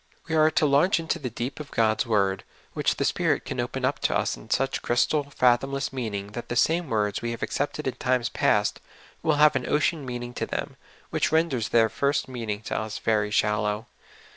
We are to launch into the deep of God's word, which the Spirit can open up 'to us in such crystal, fathomless meaning that the same words we have ac cepted in times past will have an ocean meaning to them, which renders their first meaning to us very shallow.